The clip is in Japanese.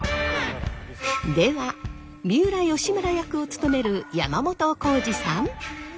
では三浦義村役を務める山本耕史さん。